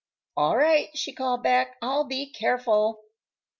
"All right," she called back; "I'll be careful."